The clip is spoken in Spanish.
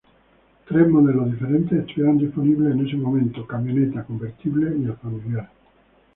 Tres modelos diferentes estuvieron disponibles en ese momento: camioneta, convertible, y el familiar.